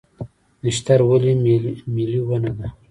نښتر ولې ملي ونه ده؟